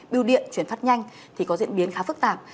biêu điện chuyển phát nhanh thì có diễn biến khá phức tạp